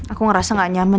aku ngerasa gak nyaman